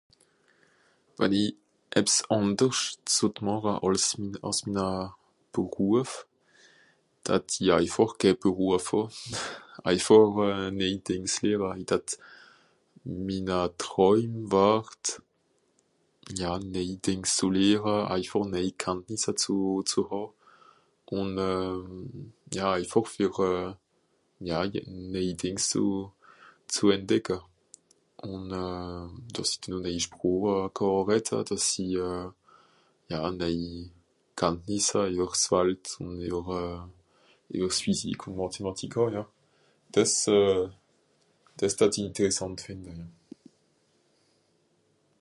Wann i ebbs ànderscht sott màche àls min... àls minna Beruaf, datt i eifàch ké Beruaf hàà. Eifàch euh... néi Dìngs lehra, i datt... minna Tràuim ward, ja néii Dìngs zù lehra, eifàch néi Kanntnissa zù... zù hà. ùn euh... ja eifàch fer euh... ja néi Dìngs zù... zù entdecka. Ùn euh... dàss i denoh néii Sprocha kàà redda, dàss i... ja néii Kanntnissa ìwer s'Walt ùn ìwer euh... ìwer s'Physique ùn Mathématik hàà ja dìs euh... dìs euh... dìs datt i ìnterressànt fìnde ja.